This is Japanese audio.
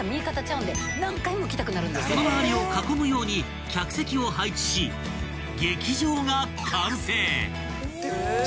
［その周りを囲むように客席を配置し劇場が完成］